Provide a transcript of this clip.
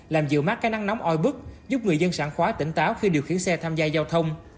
làm dựa mát cây năng nóng oi bức giúp người dân sản khóa tỉnh táo khi điều khiển xe tham gia giao thông